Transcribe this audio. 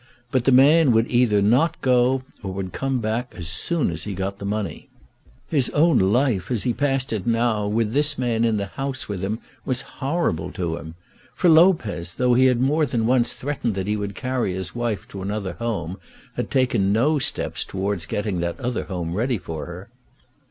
But the man would either not go, or would come back as soon as he had got the money. His own life, as he passed it now, with this man in the house with him, was horrible to him. For Lopez, though he had more than once threatened that he would carry his wife to another home, had taken no steps towards getting that other home ready for her.